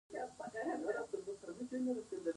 آیا خطاطي هنر دی؟